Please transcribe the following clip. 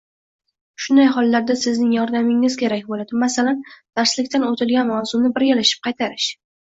Shunday hollarda sizning yordamingiz kerak bo‘ladi – masalan, darslikdan o‘tilgan mavzuni birgalashib qaytarish